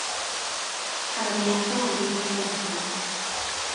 Cafodd ei ethol yn ddiwrthwynebiad.